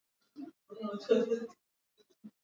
Ndege za kenya zimefungiwa kutoka nje